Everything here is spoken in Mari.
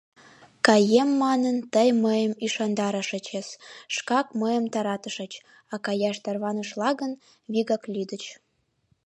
Каем, манын тый мыйым ӱшандарышычыс, шкак мыйым таратышыч, а каяш тарванышна гын, вигак лӱдыч.